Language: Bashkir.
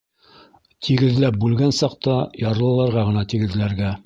— Тигеҙләп бүлгән саҡта, ярлыларға ғына тигеҙләргә.